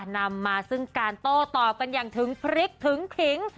นำมาซึ่งการโต้ตอบกันอย่างถึงพริกถึงขิง